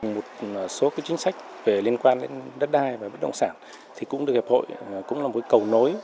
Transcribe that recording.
một số chính sách về liên quan đến đất đai và bất động sản thì cũng được hiệp hội cũng là một cầu nối